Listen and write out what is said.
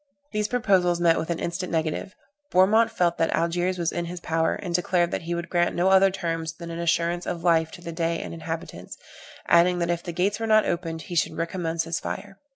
These proposals met with an instant negative: Bourmont felt that Algiers was in his power, and declared that he would grant no other terms than an assurance of life to the Dey and inhabitants, adding that if the gates were not opened he should recommence his fire.